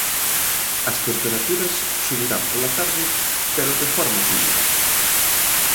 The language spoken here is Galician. As temperaturas subirán pola tarde, pero de forma tímida.